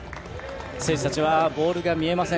選手たちはボールが見えません。